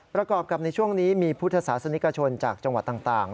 ประกอบกับในช่วงนี้มีพุทธศาสนิกชนจากจังหวัดต่าง